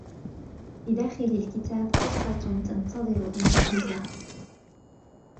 بداخل الكتاب قصة تنتظر أن تهمسها.